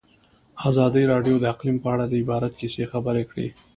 ازادي راډیو د اقلیم په اړه د عبرت کیسې خبر کړي.